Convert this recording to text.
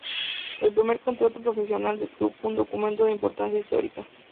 El primer contrato profesional del club fue un documento de importancia histórica.